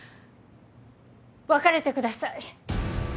別れてください。